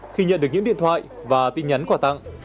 khi nhận được những điện thoại và tin nhắn quà tặng